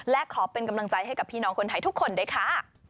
และขอเป็นกำลังใจให้กับพี่น้องคนไทยทุกคนด้วยค่ะ